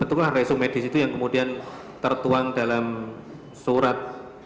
betul kan resum medis itu yang kemudian tertuang dalam surat